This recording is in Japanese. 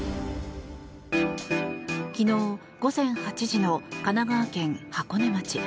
昨日午前８時の神奈川県箱根町。